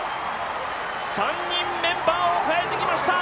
３人メンバーをかえてきました。